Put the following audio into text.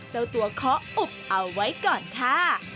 เจ้าตัวขออุบเอาไว้ก่อนค่ะ